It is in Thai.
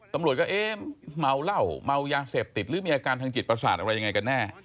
ตำรวจก็เอ๊ะเมาเหล้าเมายาเสพติดหรือมีอาการทางจิตประสาทอะไรยังไงกันแน่